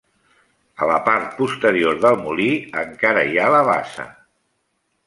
A la part posterior del molí encara hi ha la bassa.